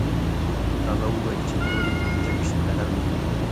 هغه وویل چې ورور یې پنځه ویشت کلن و.